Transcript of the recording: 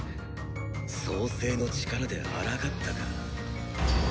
創世の力であらがったか。